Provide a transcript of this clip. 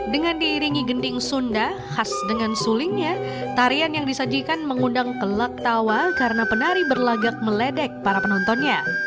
dengan diiringi gending sunda khas dengan sulingnya tarian yang disajikan mengundang kelak tawa karena penari berlagak meledek para penontonnya